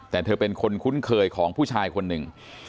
แต่เธอเป็นคนคุ้นเคยของผู้ชายคนหนึ่ง